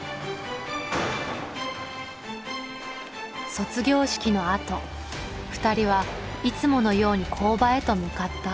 卒業式のあと２人はいつものように工場へと向かった。